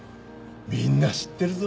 みんな知ってるぞ。